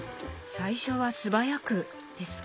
最初は素早くですか？